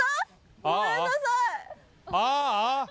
ああ！